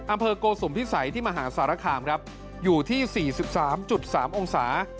โกสุมพิสัยที่มหาสารคามครับอยู่ที่๔๓๓องศา